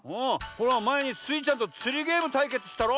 ほらまえにスイちゃんとつりゲームたいけつしたろ？